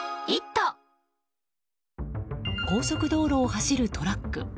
高速道路を走るトラック。